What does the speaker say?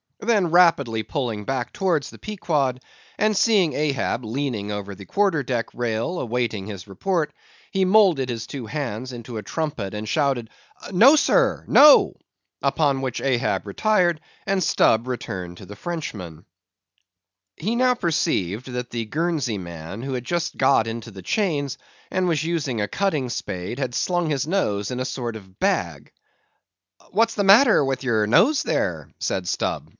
Then rapidly pulling back towards the Pequod, and seeing Ahab leaning over the quarter deck rail awaiting his report, he moulded his two hands into a trumpet and shouted—"No, Sir! No!" Upon which Ahab retired, and Stubb returned to the Frenchman. He now perceived that the Guernsey man, who had just got into the chains, and was using a cutting spade, had slung his nose in a sort of bag. "What's the matter with your nose, there?" said Stubb.